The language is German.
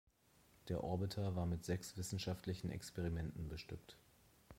Der Orbiter war mit sechs wissenschaftlichen Experimenten bestückt.